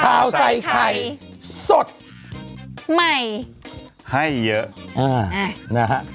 ข่าวใส่ไข่สดใหม่ให้เยอะนะฮะ